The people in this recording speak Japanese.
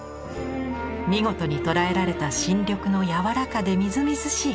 見事に捉えられた新緑の柔らかでみずみずしい輝き。